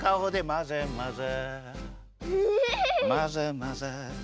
まぜまぜ。